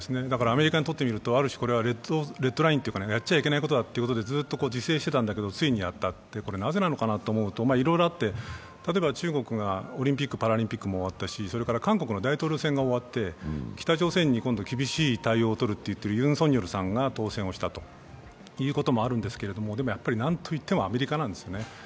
だからアメリカにとってみれば、ある種これはレッドラインだと、やっちゃいけないことだということでずっと自制していたんだけど、やってしまった、これなぜなのかなと思うと、いろいろあって、例えば中国がオリンピック・パラリンピックも終わったし、韓国の大統領選が終わって、北朝鮮に厳しい対応を取ると言われているユン・ソギョルさんが当選をしたということがあるんですけど、でも何といってもアメリカなんですね。